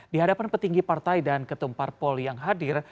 di hadapan petinggi partai dan ketumpar poli yang hadir